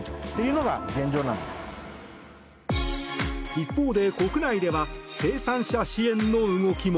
一方で、国内では生産者支援の動きも。